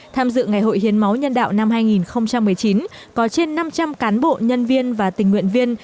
tham dự ngày hội hiến máu nhân đạo năm hai nghìn một mươi chín có trên năm trăm linh cán bộ nhân viên và tình nguyện viên